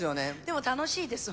でも楽しいです